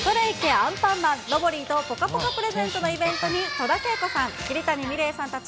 アンパンマンロボリィとぽかぽかプレゼントのイベントに、戸田恵子さん、桐谷美玲さんたち